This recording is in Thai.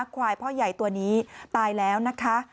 ควายพ่อใหญ่ตัวนี้ตายแล้วนะคะ